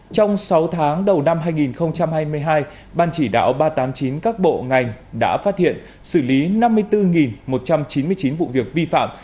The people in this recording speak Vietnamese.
trong sáu tháng đầu năm hai nghìn hai mươi hai ban chỉ đạo ba trăm tám mươi chín các bộ ngành đã phát hiện xử lý năm mươi bốn một trăm chín mươi chín vụ việc vi phạm